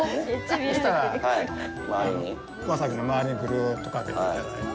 そしたら、わさびのまわりにぐるっとかけていただいて。